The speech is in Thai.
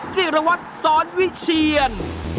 จิรวัตรสอนวิเชียน